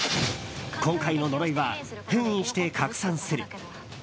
今回の呪いは「変異して、拡散する。」。